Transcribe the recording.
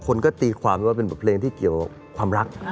คนก็ตีความว่าเป็นบทเพลงที่เกี่ยวกับความรัก